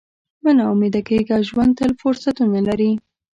مه نا امیده کېږه، ژوند تل فرصتونه لري.